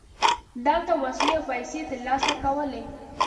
دلته وسلې او پیسې ترلاسه کولې.